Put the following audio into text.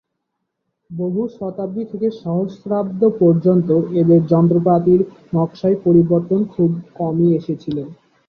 বহু শতাব্দী থেকে সহস্রাব্দ পর্যন্ত এদের যন্ত্রপাতির নকশায় পরিবর্তন খুব কমই এসেছিল।